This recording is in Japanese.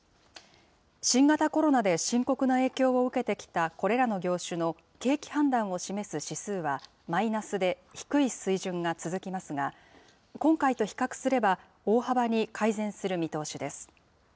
新型コロナで深刻な影響を受けてきたこれらの業種の景気判断を示す指数はマイナスで低い水準が続きますが、今回と比較すれば大幅に改善する見通しです。